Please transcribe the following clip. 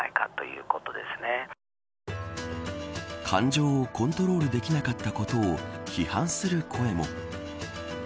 感情をコントロールできなかったことを批判する声も。